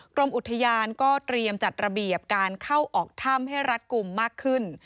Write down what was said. กรมอุทยานก็เตรียมจัดระเบียบการเข้าออกถ้ำให้รัดกลุ่มมากขึ้น